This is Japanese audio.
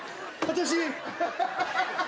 私。